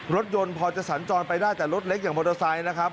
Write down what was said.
รถยนต์พอจะสันจรไปได้อย่างรถเล็กแบบมอเตอร์ไซต์นะครับ